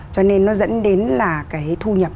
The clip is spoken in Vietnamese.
cho nên nó dẫn đến là cái thu nhập